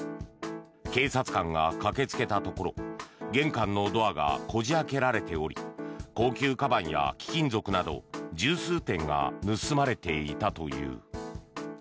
警察官が駆けつけたところ玄関のドアがこじ開けられており高級かばんや貴金属など１０数点が盗まれていたという。